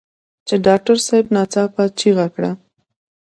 چې ډاکټر صاحب ناڅاپه چيغه کړه.